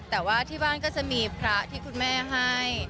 แต่ว่าที่บ้านก็จะมีพระที่คุณแม่ให้